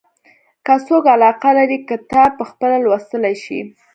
که څوک علاقه لري کتاب پخپله لوستلای شي.